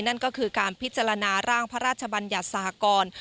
นั่นก็คือการพิจารณาร่างพระราชบัญญัติสหกร